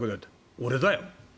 俺だよ。